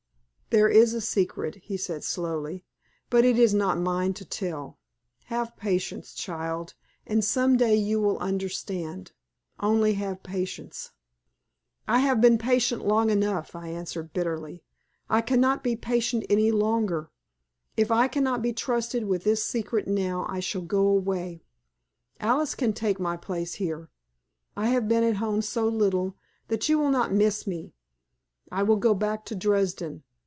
"There is a secret," he said, slowly, "but it is not mine to tell. Have patience, child, and some day you will understand. Only have patience." "I have been patient long enough," I answered, bitterly. "I cannot be patient any longer. If I cannot be trusted with this secret now, I shall go away; Alice can take my place here. I have been at home so little, that you will not miss me. I will go back to Dresden.